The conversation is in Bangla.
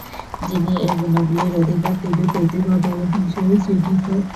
যিনি এ গুণাবলীর অধিকারী তিনি প্রতিভাবান হিসেবে চিহ্নিত।